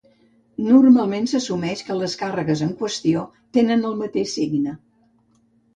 Normalment s'assumeix que les càrregues en qüestió tenen el mateix signe.